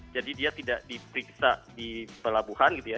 jadi dia tidak diperiksa di pelabuhan gitu ya